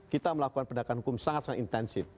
kita melakukan pendekatan hukum sangat sangat intensif